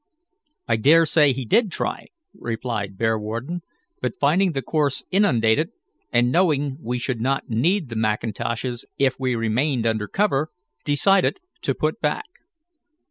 "I dare say he did try," replied Bearwarden, "but finding the course inundated, and knowing we should not need the mackintoshes if we remained under cover, decided to put back.